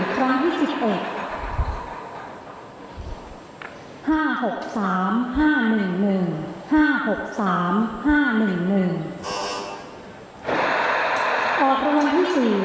อพที่๔ครั้งที่๑๐